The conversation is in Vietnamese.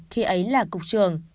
khi ấy là cục trường